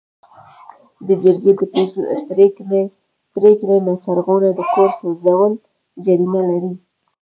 د جرګې د پریکړې نه سرغړونه د کور سوځول جریمه لري.